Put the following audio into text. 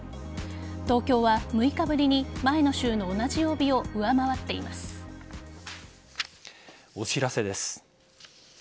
東京は６日ぶりに前の週の同じ曜日をお知らせです。